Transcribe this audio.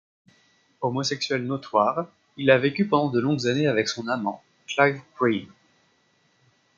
Homosexuel notoire, il a vécu pendant de longues années avec son amant, Clive Preen.